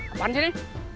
apaan sih ini